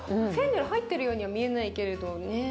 フェンネル入ってるようには見えないけれどね。